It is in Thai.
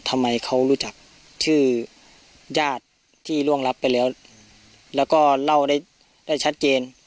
ทำไมเขารู้จักชื่อญาติที่ร่วงรับไปแล้วแล้วก็เล่าได้ได้ชัดเจน